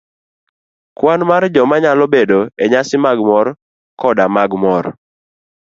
Kwan mar joma nyalo biro enyasi mag mor koda mag mor,